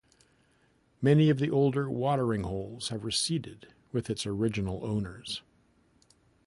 Many of the older 'watering holes' have receded with its original owners.